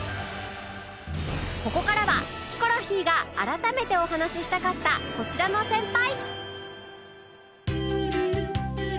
ここからはヒコロヒーが改めてお話ししたかったこちらの先輩